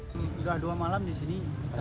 sudah dua malam di sini